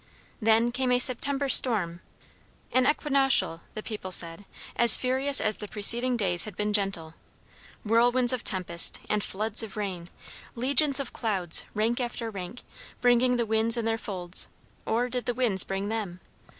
Then came a September storm; an equinoctial, the people said; as furious as the preceding days had been gentle. Whirlwinds of tempest, and floods of rain; legions of clouds, rank after rank, bringing the winds in their folds; or did the winds bring them?